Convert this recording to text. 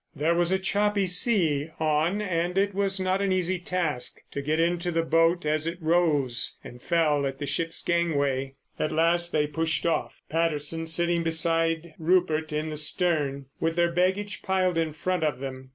There was a choppy sea on and it was not an easy task to get into the boat as it rose and fell at the ship's gangway. At last they pushed off, Patterson sitting beside Rupert in the stern, with their baggage piled in front of them.